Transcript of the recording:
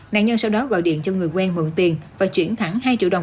nạn nhân sau đó gọi điện cho người quen mượn tiền và chuyển thẳng hai triệu đồng